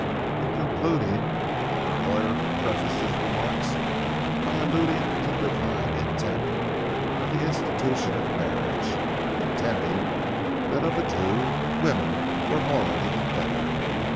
In concluding, the older lawyer prefaced his remarks by alluding to the divine intent in the institution of marriage, and contending that of the two, women were morally the better.